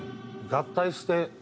合体して。